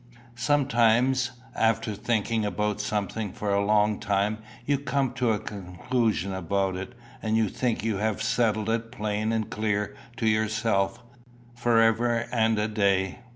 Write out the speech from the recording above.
Sometimes, after thinking about something for a long time, you come to a conclusion about it, and you think you have settled it plain and clear to yourself, for ever and a day.